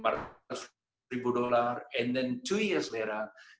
lima ratus ribu dolar dan kemudian dua tahun kemudian